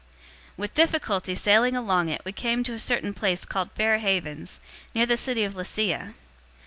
027:008 With difficulty sailing along it we came to a certain place called Fair Havens, near the city of Lasea.